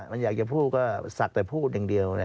มันอยากจะพูดก็ศักดิ์แต่พูดอย่างเดียว